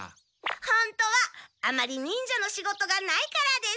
本当はあまり忍者の仕事がないからです。